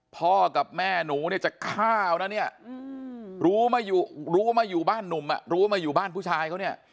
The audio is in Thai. พ่อกับแม่หนูเนี่ยจะฆ่านะเนี่ยรู้รู้ว่ามาอยู่บ้านหนุ่มอ่ะรู้มาอยู่บ้านผู้ชายเขาเนี่ย